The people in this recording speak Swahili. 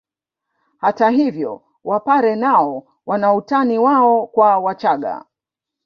Hata hivyo wapare nao wana utani wao kwa wachaga